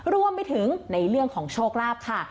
รวมไปถึงในเรื่องของโชคลาภค่ะ